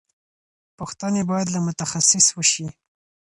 پوښتنې باید له متخصص وشي.